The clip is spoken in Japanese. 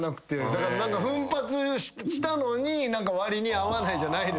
だから奮発したのに割に合わないじゃないですけど。